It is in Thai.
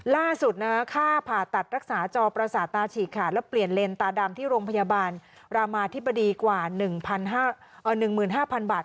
ล่าสุดค่าผ่าตัดรักษาจอประสาทตาฉีกขาดและเปลี่ยนเลนตาดำที่โรงพยาบาลรามาธิบดีกว่า๑๕๐๐๐บาท